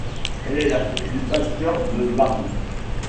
Elle est la fille du pasteur de Barlt.